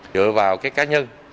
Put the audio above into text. dựa vào cái cá nhân